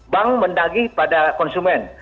bank mendagih pada konsumen